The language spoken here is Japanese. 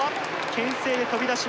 けん制で飛び出しました。